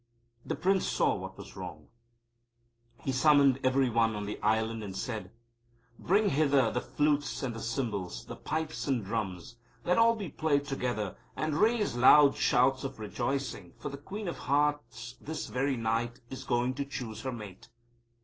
The Prince saw what was wrong. He summoned every one on the Island and said: "Bring hither the flutes and the cymbals, the pipes and drums. Let all be played together, and raise loud shouts of rejoicing. For the Queen of Hearts this very night is going to choose her Mate!"